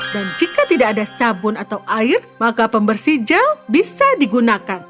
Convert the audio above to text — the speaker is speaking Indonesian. dan jika tidak ada sabun atau air maka pembersih gel bisa digunakan